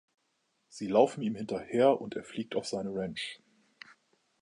Sie laufen ihm hinterher und er fliegt auf seine Ranch.